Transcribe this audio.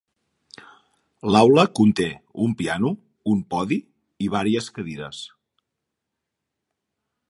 L'aula conté un piano, un podi i varies cadires.